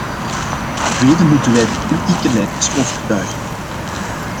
Ten tweede moeten wij de politieke leiders overtuigen.